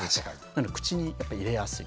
なので口にやっぱり入れやすい。